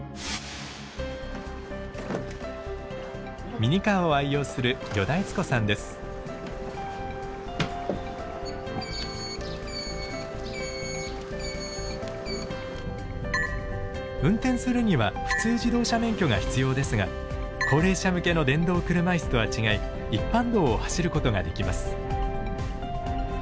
ミニカーを愛用する運転するには普通自動車免許が必要ですが高齢者向けの電動車椅子とは違い一般道を走ることができます。